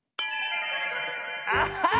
あっ！